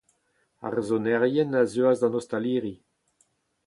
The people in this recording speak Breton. Ar sonerien a zeuas d’an ostaliri.